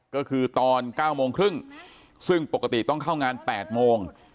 ก็คือตอน๙โมงครึ่งซึ่งปกติต้องเข้างาน๘โมง